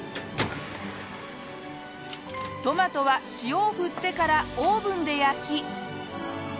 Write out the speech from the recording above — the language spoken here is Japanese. トマトは塩を振ってからオーブンで焼き。